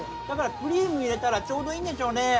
だからクリーム入れたらちょうどいいんでしょうね。